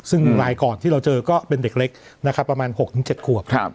ซึ่งรายกรที่เราเจอก็เป็นเด็กเล็กนะครับประมาณหกถึงเจ็ดขวบครับ